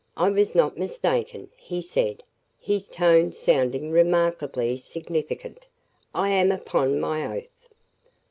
"I was not mistaken," he said, his tone sounding remarkably significant. "I am upon my oath."